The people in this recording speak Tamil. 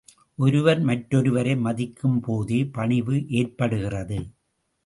ஒருவர் மற்றொருவரை மதிக்கும்போதே பணிவு ஏற்படுகிறது.